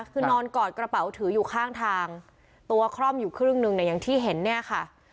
คือนอนกอดกระเป๋าถืออยู่ข้างทางตัวคล่อมอยู่ครึ่งหนึ่งเนี่ยอย่างที่เห็นเนี่ยค่ะ